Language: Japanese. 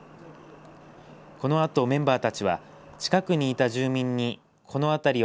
このあとメンバーたちは近くにいた住民にこの辺りは